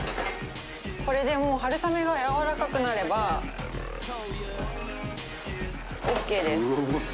これでもう春雨がやわらかくなればオーケーです。